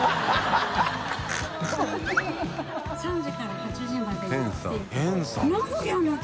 ３時から８時までやって。